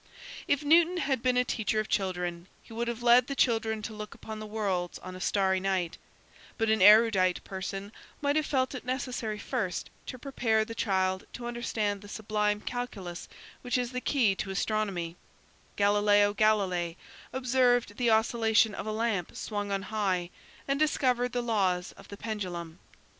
If Newton had been a teacher of children he would have led the child to look upon the worlds on a starry night, but an erudite person might have felt it necessary first to prepare the child to understand the sublime calculus which is the key to astronomy–Galileo Galilei observed the oscillation of a lamp swung on high, and discovered the laws of the pendulum.